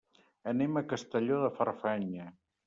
Anem a Castelló de Farfanya.